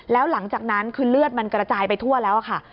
แล้วหลังจากนั้นคือเลือดมันกระจายไปทั่วแล้วค่ะ